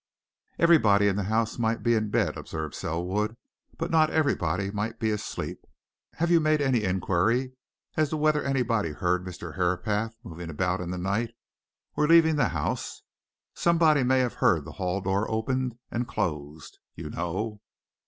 "Everybody in the house might be in bed," observed Selwood, "but not everybody might be asleep. Have you made any inquiry as to whether anybody heard Mr. Herapath moving about in the night, or leaving the house? Somebody may have heard the hall door opened and closed, you know."